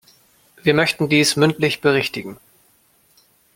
Wir möchten dies mündlich berichtigen.